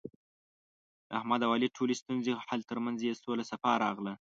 د احمد او علي ټولې ستونزې حل، ترمنځ یې سوله صفا راغله.